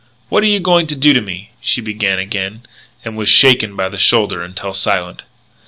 "What are you going to do to me " she began again, and was shaken by the shoulder until silent.